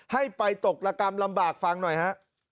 ให้ไปตกระกรรมลำบากฟังหน่อยฮะ